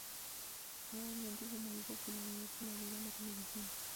Probablemente su mayor popularidad se la debe a la televisión.